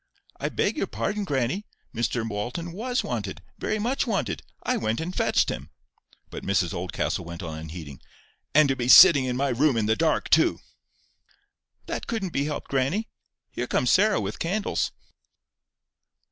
"I beg your pardon, grannie, Mr Walton WAS wanted—very much wanted. I went and fetched him." But Mrs Oldcastle went on unheeding. "— and to be sitting in my room in the dark too!" "That couldn't be helped, grannie. Here comes Sarah with candles."